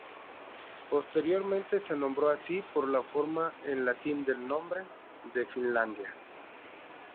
Posteriormente se nombró así por la forma en latín del nombre de Finlandia.